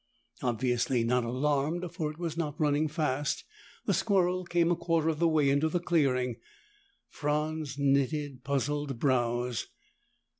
Obviously not alarmed, for it was not running fast, the squirrel came a quarter of the way into the clearing. Franz knitted puzzled brows.